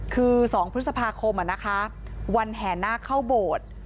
คือ๒พฤษภาคมวันแห่นาคเข้าโบสถ์